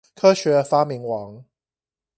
科學發明王